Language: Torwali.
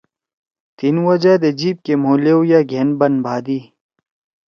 تھیِن وجہ دے جیِب کے مھو لیؤ یا گھین بن بھادی۔